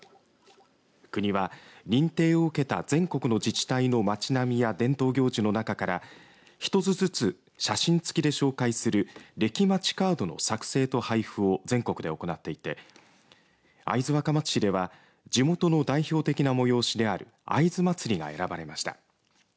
国は認定を受けた全国の自治体の町並みや伝統行事の中から１つずつ写真付きで紹介する歴まちカードの作成と配布を全国で行っていて会津若松市では地元の代表的な催しである会津まつりが選ばれました。